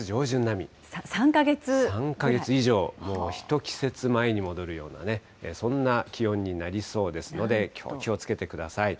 ３か月以上、もうひと季節前に戻るような、そんな気温になりそうですので、きょう、気をつけてください。